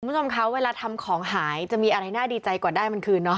คุณผู้ชมคะเวลาทำของหายจะมีอะไรน่าดีใจกว่าได้มันคืนเนาะ